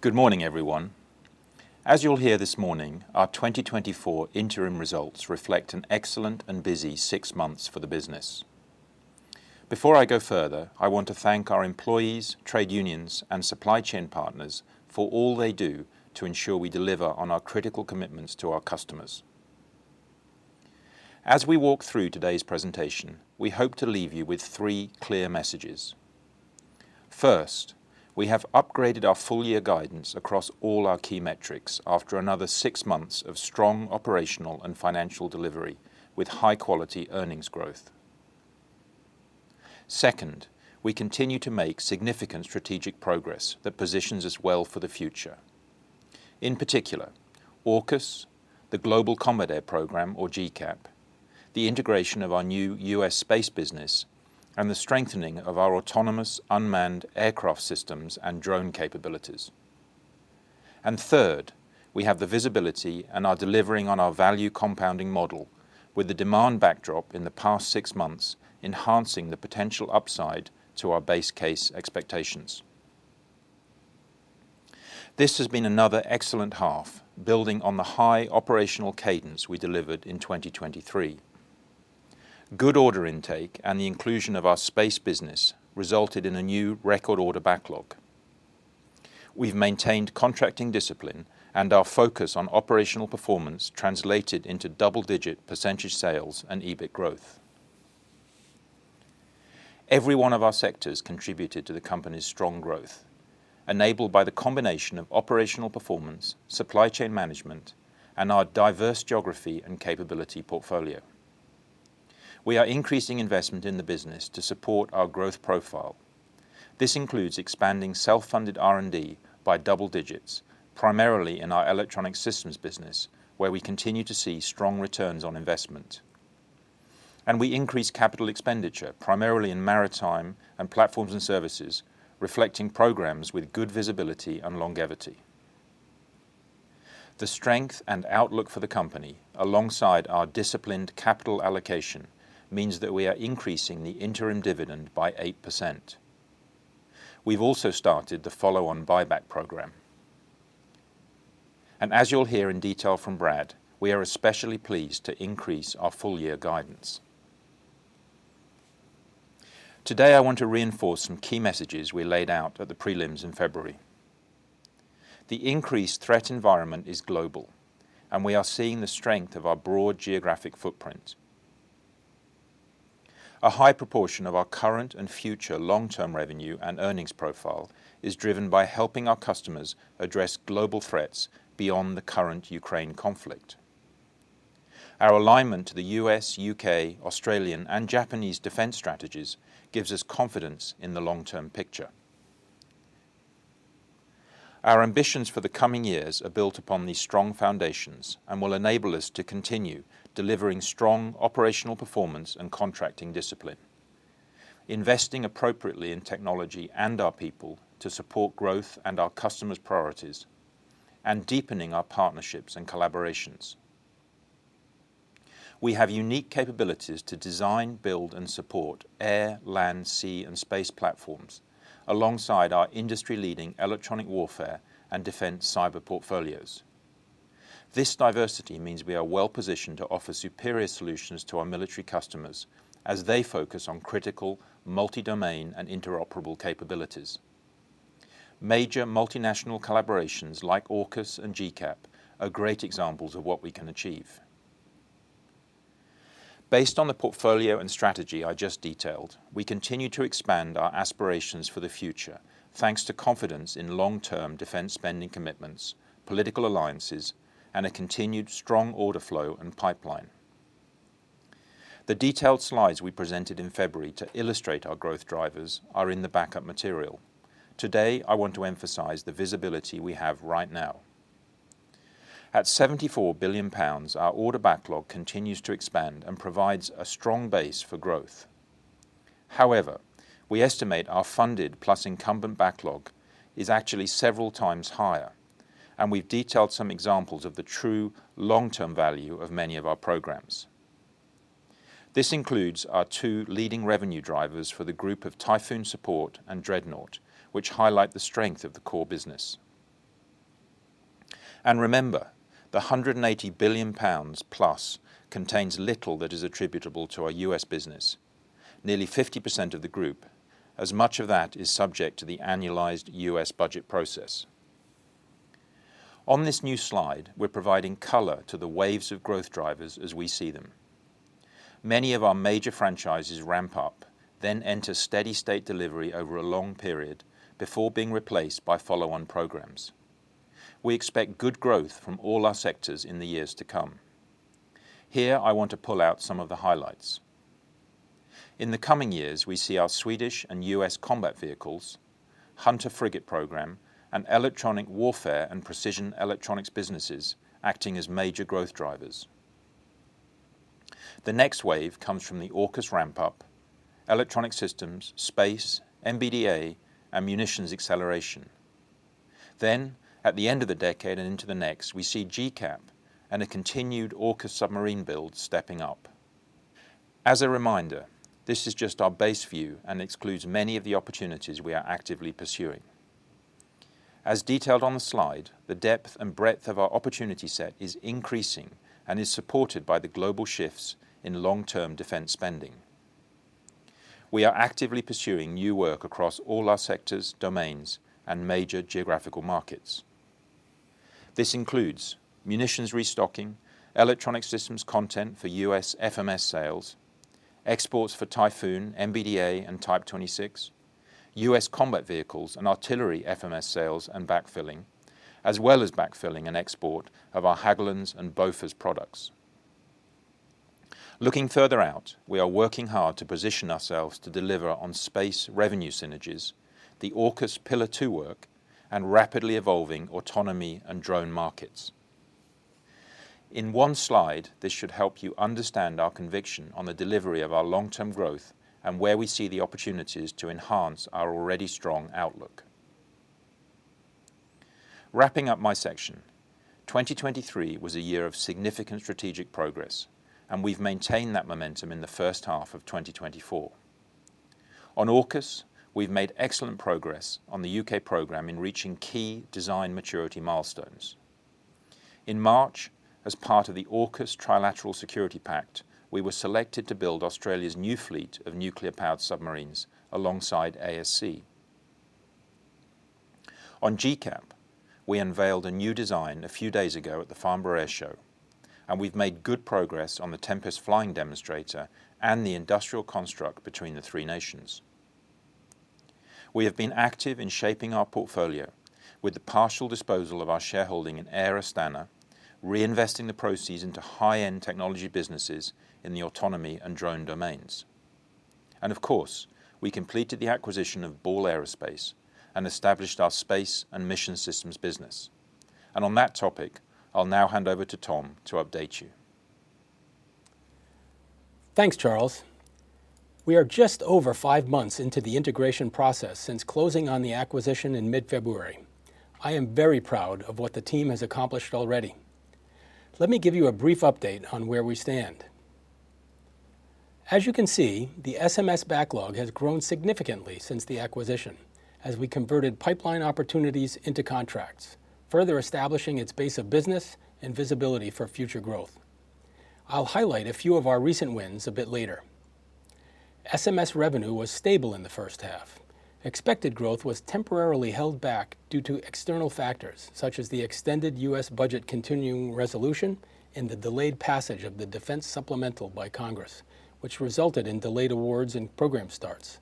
Good morning, everyone. As you'll hear this morning, our 2024 interim results reflect an excellent and busy six months for the business. Before I go further, I want to thank our employees, trade unions, and supply chain partners for all they do to ensure we deliver on our critical commitments to our customers. As we walk through today's presentation, we hope to leave you with three clear messages. First, we have upgraded our full-year guidance across all our key metrics after another six months of strong operational and financial delivery with high-quality earnings growth. Second, we continue to make significant strategic progress that positions us well for the future. In particular, AUKUS, the Global Combat Air Programme, or GCAP, the integration of our new U.S. space business, and the strengthening of our autonomous unmanned aircraft systems and drone capabilities. Third, we have the visibility and are delivering on our value compounding model, with the demand backdrop in the past six months enhancing the potential upside to our base case expectations. This has been another excellent half, building on the high operational cadence we delivered in 2023. Good order intake and the inclusion of our space business resulted in a new record order backlog. We've maintained contracting discipline and our focus on operational performance translated into double-digit percentage sales and EBIT growth. Every one of our sectors contributed to the company's strong growth, enabled by the combination of operational performance, supply chain management, and our diverse geography and capability portfolio. We are increasing investment in the business to support our growth profile. This includes expanding self-funded R&D by double digits, primarily in our Electronic Systems business, where we continue to see strong returns on investment. We increase capital expenditure, primarily in Maritime and Platforms & Services, reflecting programs with good visibility and longevity. The strength and outlook for the company, alongside our disciplined capital allocation, means that we are increasing the interim dividend by 8%. We've also started the follow-on buyback program. As you'll hear in detail from Brad, we are especially pleased to increase our full-year guidance. Today, I want to reinforce some key messages we laid out at the prelims in February. The increased threat environment is global, and we are seeing the strength of our broad geographic footprint. A high proportion of our current and future long-term revenue and earnings profile is driven by helping our customers address global threats beyond the current Ukraine conflict. Our alignment to the U.S., U.K., Australian, and Japanese defense strategies gives us confidence in the long-term picture. Our ambitions for the coming years are built upon these strong foundations and will enable us to continue delivering strong operational performance and contracting discipline, investing appropriately in technology and our people to support growth and our customers' priorities, and deepening our partnerships and collaborations. We have unique capabilities to design, build, and support air, land, sea, and space platforms, alongside our industry-leading electronic warfare and defense cyber portfolios. This diversity means we are well-positioned to offer superior solutions to our military customers as they focus on critical multi-domain and interoperable capabilities. Major multinational collaborations like AUKUS and GCAP are great examples of what we can achieve. Based on the portfolio and strategy I just detailed, we continue to expand our aspirations for the future, thanks to confidence in long-term defense spending commitments, political alliances, and a continued strong order flow and pipeline. The detailed slides we presented in February to illustrate our growth drivers are in the backup material. Today, I want to emphasize the visibility we have right now. At 74 billion pounds, our order backlog continues to expand and provides a strong base for growth. However, we estimate our funded plus incumbent backlog is actually several times higher, and we've detailed some examples of the true long-term value of many of our programs. This includes our two leading revenue drivers for the group of Typhoon Support and Dreadnought, which highlight the strength of the core business. Remember, the 180+ billion pounds contains little that is attributable to our U.S. business, nearly 50% of the group, as much of that is subject to the annualized U.S. budget process. On this new slide, we're providing color to the waves of growth drivers as we see them. Many of our major franchises ramp up, then enter steady-state delivery over a long period before being replaced by follow-on programs. We expect good growth from all our sectors in the years to come. Here, I want to pull out some of the highlights. In the coming years, we see our Swedish and U.S. combat vehicles, Hunter Frigate Program, and electronic warfare and precision electronics businesses acting as major growth drivers. The next wave comes from the AUKUS ramp-up, Electronic Systems, space, MBDA, and munitions acceleration. Then, at the end of the decade and into the next, we see GCAP and a continued AUKUS submarine build stepping up. As a reminder, this is just our base view and excludes many of the opportunities we are actively pursuing. As detailed on the slide, the depth and breadth of our opportunity set is increasing and is supported by the global shifts in long-term defense spending. We are actively pursuing new work across all our sectors, domains, and major geographical markets. This includes munitions restocking, Electronic Systems content for U.S. FMS sales, exports for Typhoon, MBDA, and Type 26, U.S. combat vehicles and artillery FMS sales and backfilling, as well as backfilling and export of our Hägglunds and Bofors products. Looking further out, we are working hard to position ourselves to deliver on space revenue synergies, the AUKUS Pillar Two work, and rapidly evolving autonomy and drone markets. In one slide, this should help you understand our conviction on the delivery of our long-term growth and where we see the opportunities to enhance our already strong outlook. Wrapping up my section, 2023 was a year of significant strategic progress, and we've maintained that momentum in the first half of 2024. On AUKUS, we've made excellent progress on the U.K. program in reaching key design maturity milestones. In March, as part of the AUKUS Trilateral Security Pact, we were selected to build Australia's new fleet of nuclear-powered submarines alongside ASC. On GCAP, we unveiled a new design a few days ago at the Farnborough Airshow, and we've made good progress on the Tempest flying demonstrator and the industrial construct between the three nations. We have been active in shaping our portfolio with the partial disposal of our shareholding in Air Astana, reinvesting the proceeds into high-end technology businesses in the autonomy and drone domains. Of course, we completed the acquisition of Ball Aerospace and established our Space & Mission Systems business. On that topic, I'll now hand over to Tom to update you. Thanks, Charles. We are just over five months into the integration process since closing on the acquisition in mid-February. I am very proud of what the team has accomplished already. Let me give you a brief update on where we stand. As you can see, the SMS backlog has grown significantly since the acquisition, as we converted pipeline opportunities into contracts, further establishing its base of business and visibility for future growth. I'll highlight a few of our recent wins a bit later. SMS revenue was stable in the first half. Expected growth was temporarily held back due to external factors, such as the extended U.S. budget continuing resolution and the delayed passage of the defense supplemental by Congress, which resulted in delayed awards and program starts.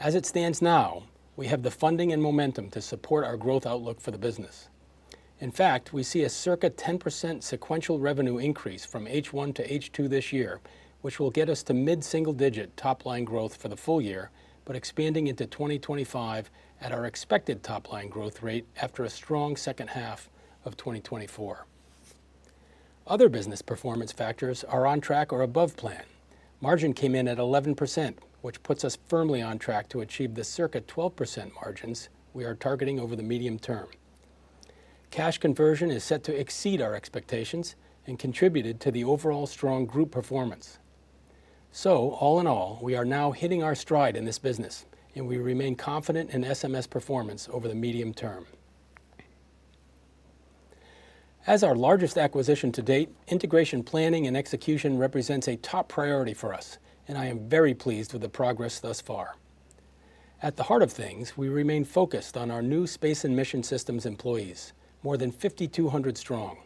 As it stands now, we have the funding and momentum to support our growth outlook for the business. In fact, we see a circa 10% sequential revenue increase from H1 to H2 this year, which will get us to mid-single-digit top-line growth for the full year, but expanding into 2025 at our expected top-line growth rate after a strong second half of 2024. Other business performance factors are on track or above plan. Margin came in at 11%, which puts us firmly on track to achieve the circa 12% margins we are targeting over the medium term. Cash conversion is set to exceed our expectations and contributed to the overall strong group performance. So, all in all, we are now hitting our stride in this business, and we remain confident in SMS performance over the medium term. As our largest acquisition to date, integration planning and execution represents a top priority for us, and I am very pleased with the progress thus far. At the heart of things, we remain focused on our new Space & Mission Systems employees, more than 5,200 strong,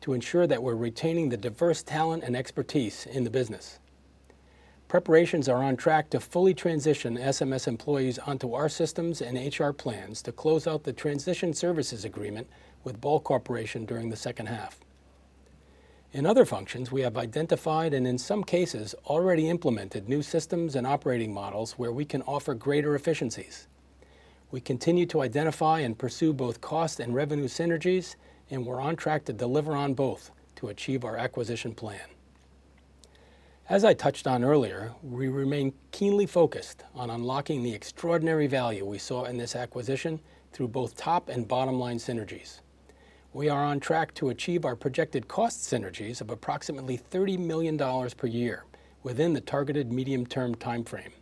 to ensure that we're retaining the diverse talent and expertise in the business. Preparations are on track to fully transition SMS employees onto our systems and HR plans to close out the transition services agreement with Ball Corporation during the second half. In other functions, we have identified and, in some cases, already implemented new systems and operating models where we can offer greater efficiencies. We continue to identify and pursue both cost and revenue synergies, and we're on track to deliver on both to achieve our acquisition plan. As I touched on earlier, we remain keenly focused on unlocking the extraordinary value we saw in this acquisition through both top and bottom-line synergies. We are on track to achieve our projected cost synergies of approximately $30 million per year within the targeted medium-term timeframe.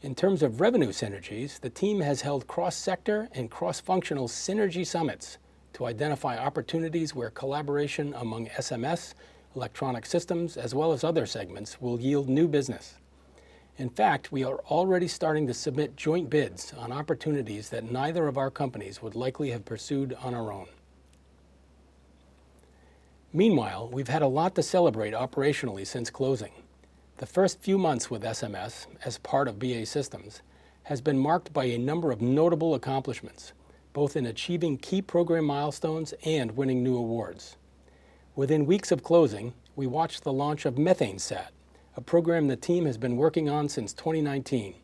In terms of revenue synergies, the team has held cross-sector and cross-functional synergy summits to identify opportunities where collaboration among SMS, Electronic Systems, as well as other segments will yield new business. In fact, we are already starting to submit joint bids on opportunities that neither of our companies would likely have pursued on our own. Meanwhile, we've had a lot to celebrate operationally since closing. The first few months with SMS, as part of BAE Systems, has been marked by a number of notable accomplishments, both in achieving key program milestones and winning new awards. Within weeks of closing, we watched the launch of MethaneSAT, a program the team has been working on since 2019,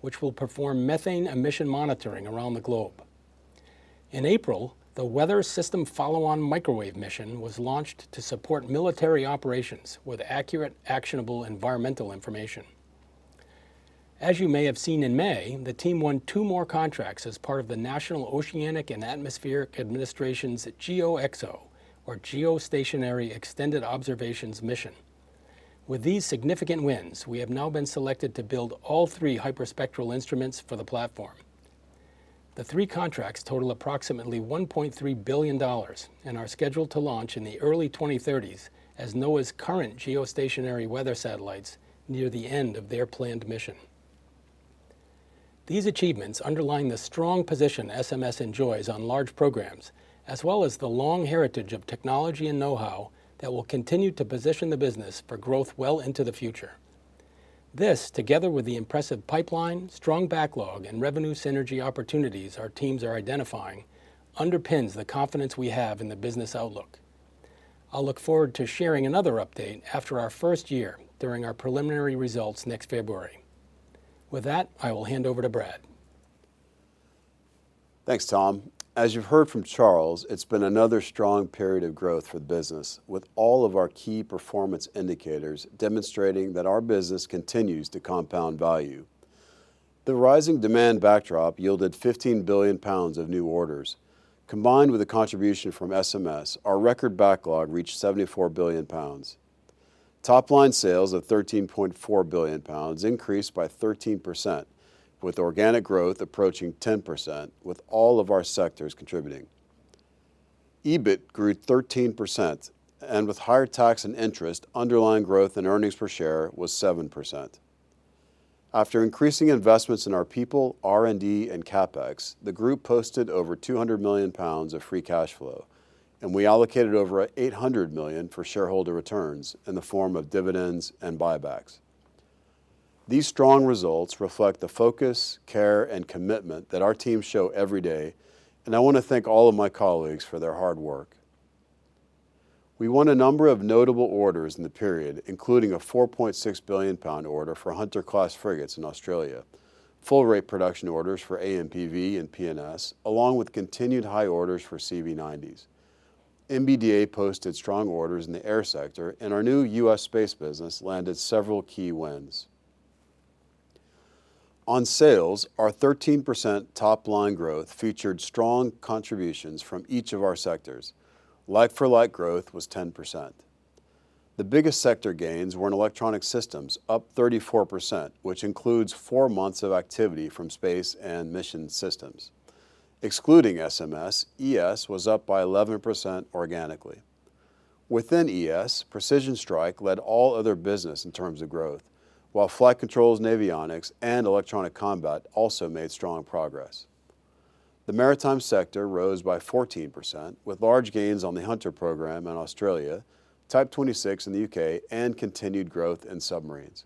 which will perform methane emission monitoring around the globe. In April, the Weather System Follow-on – Microwave mission was launched to support military operations with accurate, actionable environmental information. As you may have seen in May, the team won two more contracts as part of the National Oceanic and Atmospheric Administration's GeoXO, or Geostationary Extended Observations mission. With these significant wins, we have now been selected to build all three hyperspectral instruments for the platform. The three contracts total approximately $1.3 billion and are scheduled to launch in the early 2030s as NOAA's current geostationary weather satellites near the end of their planned mission. These achievements underline the strong position SMS enjoys on large programs, as well as the long heritage of technology and know-how that will continue to position the business for growth well into the future. This, together with the impressive pipeline, strong backlog, and revenue synergy opportunities our teams are identifying, underpins the confidence we have in the business outlook. I'll look forward to sharing another update after our first year during our preliminary results next February. With that, I will hand over to Brad. Thanks, Tom. As you've heard from Charles, it's been another strong period of growth for the business, with all of our key performance indicators demonstrating that our business continues to compound value. The rising demand backdrop yielded 15 billion pounds of new orders. Combined with the contribution from SMS, our record backlog reached 74 billion pounds. Top-line sales of 13.4 billion pounds increased by 13%, with organic growth approaching 10%, with all of our sectors contributing. EBIT grew 13%, and with higher tax and interest, underlying growth and earnings per share was 7%. After increasing investments in our people, R&D, and CapEx, the group posted over 200 million pounds of free cash flow, and we allocated over 800 million for shareholder returns in the form of dividends and buybacks. These strong results reflect the focus, care, and commitment that our teams show every day, and I want to thank all of my colleagues for their hard work. We won a number of notable orders in the period, including a 4.6 billion pound order for Hunter-class frigates in Australia, full-rate production orders for AMPV and P&S, along with continued high orders for CV90s. MBDA posted strong orders in the Air sector, and our new U.S. space business landed several key wins. On sales, our 13% top-line growth featured strong contributions from each of our sectors. Like-for-like growth was 10%. The biggest sector gains were in Electronic Systems, up 34%, which includes four months of activity from Space & Mission Systems. Excluding SMS, ES was up by 11% organically. Within ES, Precision Strike led all other business in terms of growth, while flight controls, avionics, and Electronic Combat also made strong progress. The Maritime sector rose by 14%, with large gains on the Hunter program in Australia, Type 26 in the U.K., and continued growth in submarines.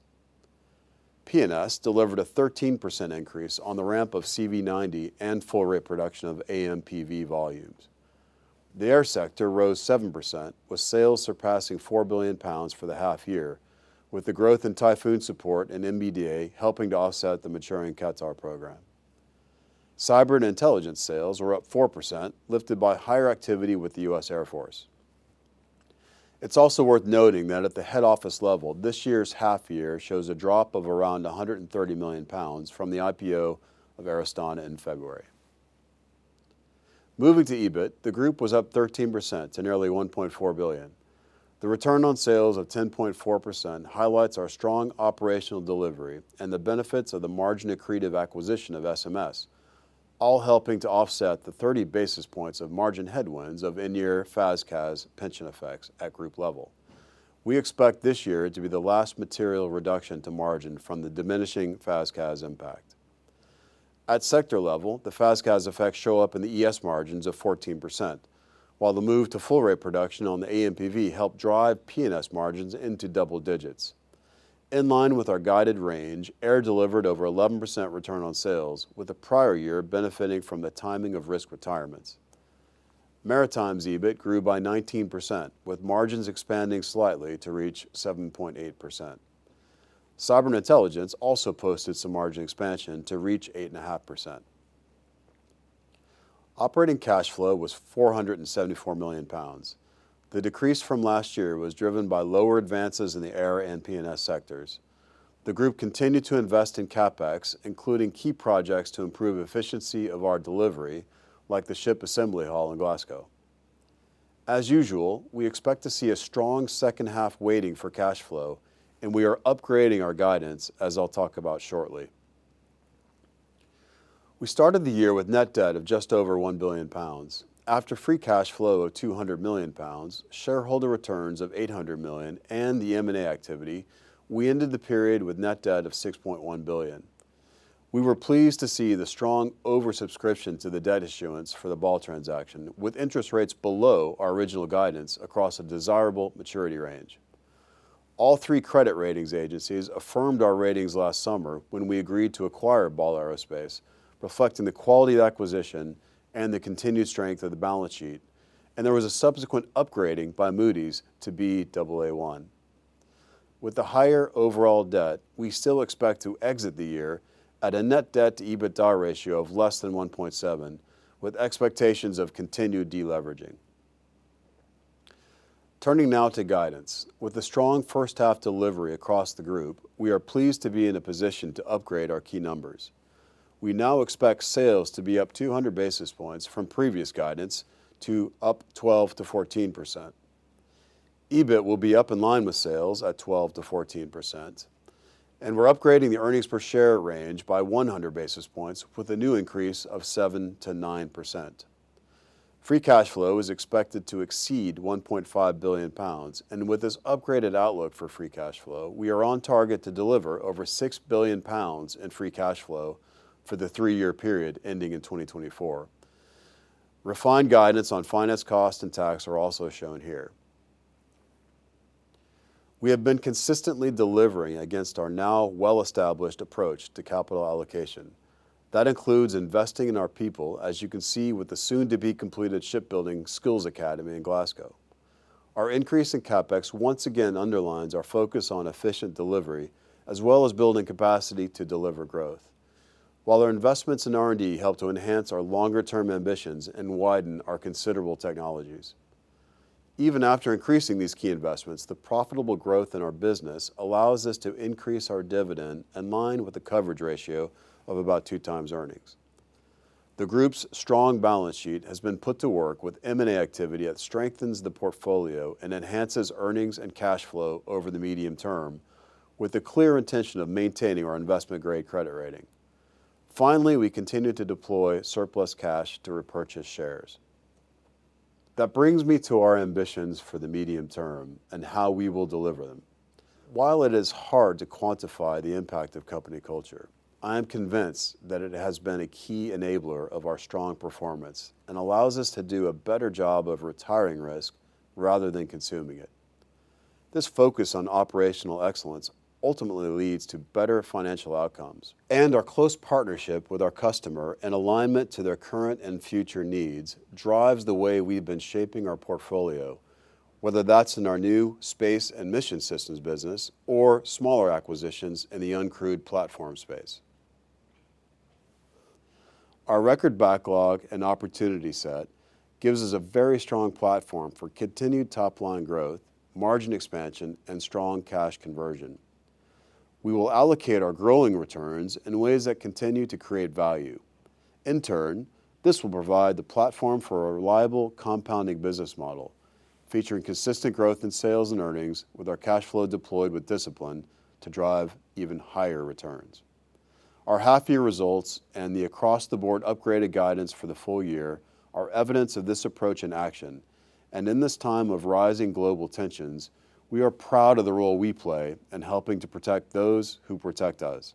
P&S delivered a 13% increase on the ramp of CV90 and full-rate production of AMPV volumes. The Air sector rose 7%, with sales surpassing 4 billion pounds for the half year, with the growth in Typhoon support and MBDA helping to offset the maturing Qatar program. Cyber & Intelligence sales were up 4%, lifted by higher activity with the U.S. Air Force. It's also worth noting that at the head office level, this year's half year shows a drop of around 130 million pounds from the IPO of Air Astana in February. Moving to EBIT, the group was up 13% to nearly 1.4 billion. The return on sales of 10.4% highlights our strong operational delivery and the benefits of the margin accretive acquisition of SMS, all helping to offset the 30 basis points of margin headwinds of in-year FAS/CAS pension effects at group level. We expect this year to be the last material reduction to margin from the diminishing FAS/CAS impact. At sector level, the FAS/CAS effects show up in the ES margins of 14%, while the move to full-rate production on the AMPV helped drive P&S margins into double digits. In line with our guided range, Air delivered over 11% return on sales, with the prior year benefiting from the timing of risk retirements. Maritime's EBIT grew by 19%, with margins expanding slightly to reach 7.8%. Cyber & Intelligence also posted some margin expansion to reach 8.5%. Operating cash flow was 474 million pounds. The decrease from last year was driven by lower advances in the Air and P&S sectors. The group continued to invest in CapEx, including key projects to improve efficiency of our delivery, like the ship assembly hall in Glasgow. As usual, we expect to see a strong second half waiting for cash flow, and we are upgrading our guidance, as I'll talk about shortly. We started the year with net debt of just over 1 billion pounds. After free cash flow of 200 million pounds, shareholder returns of 800 million, and the M&A activity, we ended the period with net debt of 6.1 billion. We were pleased to see the strong oversubscription to the debt issuance for the Ball transaction, with interest rates below our original guidance across a desirable maturity range. All three credit ratings agencies affirmed our ratings last summer when we agreed to acquire Ball Aerospace, reflecting the quality of acquisition and the continued strength of the balance sheet, and there was a subsequent upgrading by Moody's to Baa1. With the higher overall debt, we still expect to exit the year at a net debt to EBITDA ratio of less than 1.7, with expectations of continued deleveraging. Turning now to guidance, with the strong first half delivery across the group, we are pleased to be in a position to upgrade our key numbers. We now expect sales to be up 200 basis points from previous guidance to up 12%-14%. EBIT will be up in line with sales at 12%-14%, and we're upgrading the earnings per share range by 100 basis points with a new increase of 7%-9%. Free cash flow is expected to exceed 1.5 billion pounds, and with this upgraded outlook for free cash flow, we are on target to deliver over 6 billion pounds in free cash flow for the three-year period ending in 2024. Refined guidance on finance costs and tax are also shown here. We have been consistently delivering against our now well-established approach to capital allocation. That includes investing in our people, as you can see with the soon-to-be-completed shipbuilding skills academy in Glasgow. Our increase in CapEx once again underlines our focus on efficient delivery, as well as building capacity to deliver growth, while our investments in R&D help to enhance our longer-term ambitions and widen our considerable technologies. Even after increasing these key investments, the profitable growth in our business allows us to increase our dividend in line with the coverage ratio of about two times earnings. The group's strong balance sheet has been put to work with M&A activity that strengthens the portfolio and enhances earnings and cash flow over the medium term, with the clear intention of maintaining our investment-grade credit rating. Finally, we continue to deploy surplus cash to repurchase shares. That brings me to our ambitions for the medium term and how we will deliver them. While it is hard to quantify the impact of company culture, I am convinced that it has been a key enabler of our strong performance and allows us to do a better job of retiring risk rather than consuming it. This focus on operational excellence ultimately leads to better financial outcomes, and our close partnership with our customer and alignment to their current and future needs drives the way we've been shaping our portfolio, whether that's in our new Space & Mission Systems business or smaller acquisitions in the uncrewed platform space. Our record backlog and opportunity set gives us a very strong platform for continued top-line growth, margin expansion, and strong cash conversion. We will allocate our growing returns in ways that continue to create value. In turn, this will provide the platform for a reliable compounding business model, featuring consistent growth in sales and earnings, with our cash flow deployed with discipline to drive even higher returns. Our half-year results and the across-the-board upgraded guidance for the full year are evidence of this approach in action, and in this time of rising global tensions, we are proud of the role we play in helping to protect those who protect us.